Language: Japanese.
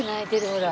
ほら。